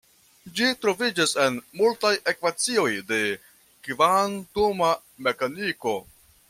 Ĝi troviĝas en multaj ekvacioj de kvantuma mekaniko.